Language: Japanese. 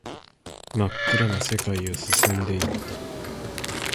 真っ暗な世界を進んでいった